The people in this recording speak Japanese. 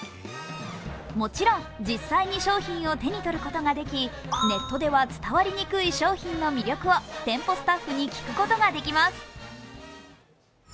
もちろん、実際に商品を手に取ることができネットでは伝わりにくい商品の魅力を店舗スタッフに聞くことができます。